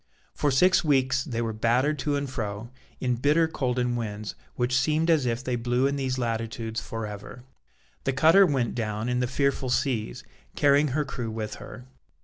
For six weeks they were battered to and fro, in bitter cold and winds which seemed as if they blew in these latitudes for ever. The cutter went down in the fearful seas, carrying her crew with her.